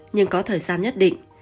nhưng có thời gian nhất định